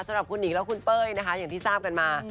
สำหรับคุณหิงและคุณเป้ยนะคะอย่างที่ทราบกันมา